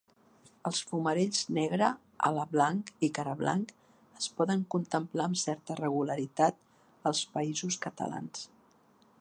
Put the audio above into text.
Els fumarells negre, alablanc i carablanc es poden contemplar amb certa regularitat als Països Catalans.